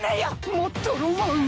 もっとロマンを！